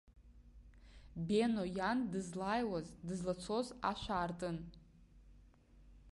Бено иан дызлааиуаз, дызлацоз ашә аартын.